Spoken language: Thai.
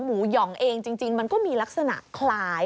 หย่องเองจริงมันก็มีลักษณะคล้าย